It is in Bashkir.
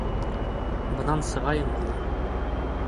Бынан сығайым ғына!